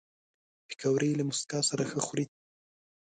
پکورې له موسکا سره ښه خوري